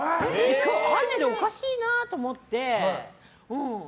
今日雨でおかしいなと思って。